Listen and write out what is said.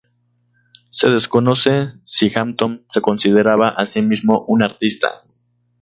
Se desconoce si Hampton se consideraba a sí mismo un artista.